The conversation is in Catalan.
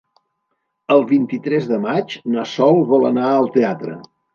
El vint-i-tres de maig na Sol vol anar al teatre.